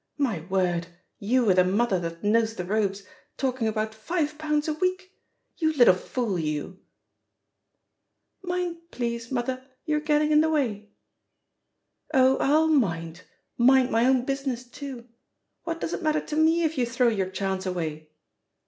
My word, you with a mother that knows the ropes, talking about five pounds a weekl You little fool, you I" "Mind, please, mother, you're getting in the wayl" "Oh, I'll mind — ^mind my own business, tool iWhat does it matter to me if you throw your chance away?"